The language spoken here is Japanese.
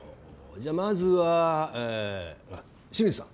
じゃあまずは清水さん。